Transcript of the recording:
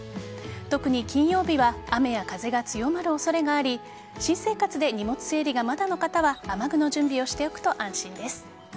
特に金曜日は雨や風が強まる恐れがあり新生活で荷物整理がまだの方は雨具の準備をしておくと安心です。